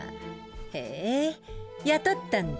へぇ雇ったんだ。